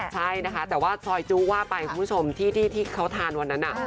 ใช่นะคะแต่ว่าซอยจู้ว่าไปคุณผู้ชมที่เขาทานวันนั้น